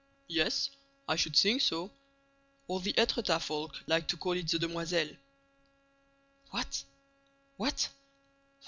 "Yes, I should think so. All the Étretat folk like to call it the Demoiselles." "What?—What?